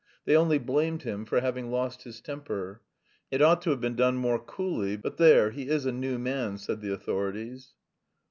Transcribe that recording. They only blamed him for having lost his temper. "It ought to have been done more coolly, but there, he is a new man," said the authorities.